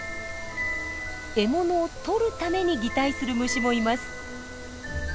獲物を取るために擬態する虫もいます。